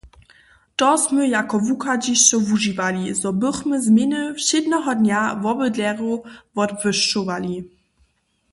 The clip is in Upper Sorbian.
To smy jako wuchadźišćo wužiwali, zo bychmy změny wšědneho dnja wobydlerjow wotbłyšćowali.